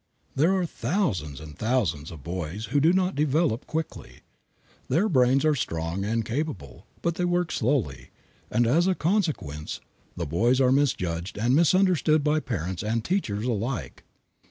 There are thousands and thousands of boys who do not develop quickly. Their brains are strong and capable, but they work slowly, and as a consequence the boys are misjudged and misunderstood by parents and teachers alike.